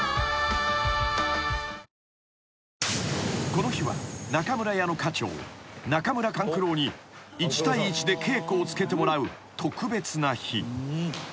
［この日は中村屋の家長中村勘九郎に一対一で稽古をつけてもらう特別な日］